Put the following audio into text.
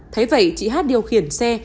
thế vậy chị hát điều khiển xe